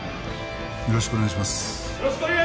よろしくお願いします。